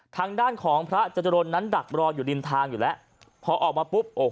ทางด้านของพระจรนนั้นดักรออยู่ริมทางอยู่แล้วพอออกมาปุ๊บโอ้